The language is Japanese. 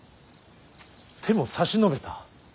手も差し伸べた。